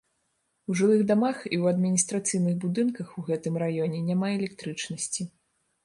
У жылых дамах і ў адміністрацыйных будынках у гэтым раёне няма электрычнасці.